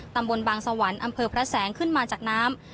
ตำบลบางสวรรค์อำเภอพระแสงขึ้นมาจากน้ำ